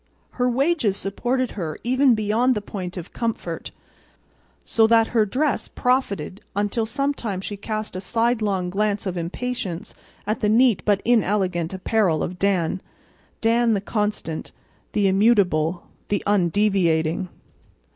Her wages supported her even beyond the point of comfort; so that her dress profited until sometimes she cast a sidelong glance of impatience at the neat but inelegant apparel of Dan—Dan the constant, the immutable, the undeviating.